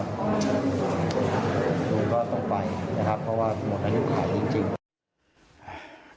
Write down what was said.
ก็ต้องไปนะครับเพราะว่าหมดอายุไขจริง